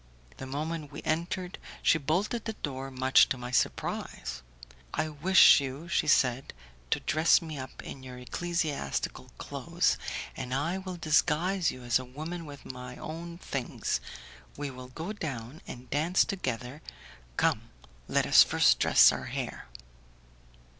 The moment we entered she bolted the door, much to my surprise. "I wish you," she said, "to dress me up in your ecclesiastical clothes, and I will disguise you as a woman with my own things. We will go down and dance together. Come, let us first dress our hair."